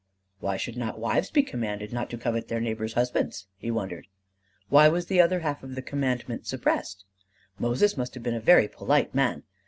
Why should not wives be commanded not to covet their neighbors' husbands? he wondered. Why was the other half of the Commandment suppressed? Moses must have been a very polite man!